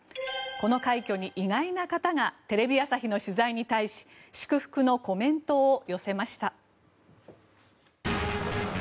この快挙に意外な方がテレビ朝日の取材に対し祝福のコメントを寄せました。